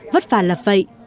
vất vả là vậy